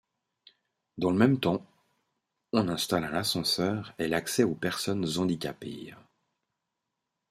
Dans le même temps, on installe un ascenseur et l'accès aux personnes handicapées.